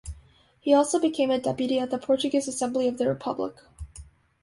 He also became a Deputy at the Portuguese Assembly of the Republic.